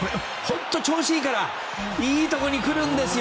調子がいいからいいところに来るんですよ。